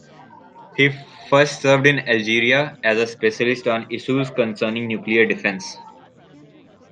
He first served in Algeria as a specialist on issues concerning nuclear defense.